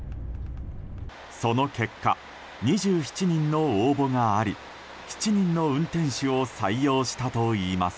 その結果２７人の応募があり７人の運転手を採用したといいます。